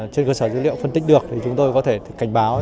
trên cơ sở dữ liệu phân tích được thì chúng tôi có thể cảnh báo